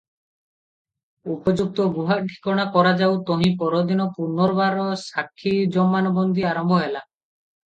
ଉପଯୁକ୍ତ ଗୁହା ଠିକଣା କରାଯାଉ ତହିଁ ପରଦିନ ପୁନର୍ବାର ସାକ୍ଷୀ ଜମାନବନ୍ଦୀ ଆରମ୍ଭ ହେଲା ।